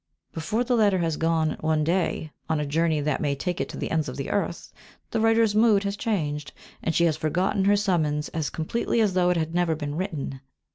Before the letter has been gone one day, on a journey that may take it to the ends of the earth, the writer's mood has changed, and she has forgotten her summons as completely as though it had never been written.